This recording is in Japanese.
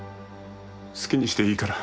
好きにしていいから。